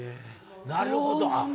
なるほど。